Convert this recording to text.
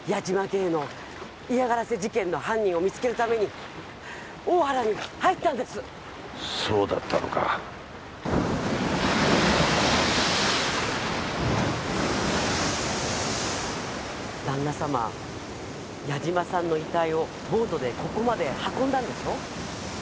家への嫌がらせ事件の犯人を見つけるためにおおはらに入ったんですそうだったのか旦那さま矢島さんの遺体をボートでここまで運んだんでしょう？